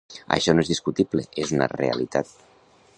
Això no és discutible, és una realitat.